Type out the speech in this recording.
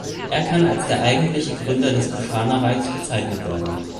Er kann als der eigentliche Gründer des Kuschana-Reiches bezeichnet werden.